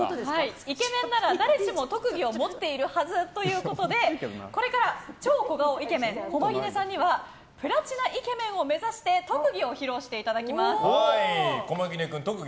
イケメンなら誰しも特技を持っているはずということでこれから超小顔イケメン駒木根さんにはプラチナイケメンを目指して特技を披露していただきます。